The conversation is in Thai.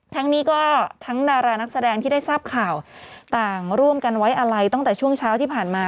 ทั้งนี้ก็ทั้งดารานักแสดงที่ได้ทราบข่าวต่างร่วมกันไว้อะไรตั้งแต่ช่วงเช้าที่ผ่านมา